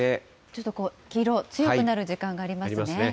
ちょっと黄色、強くなる時間がありますね。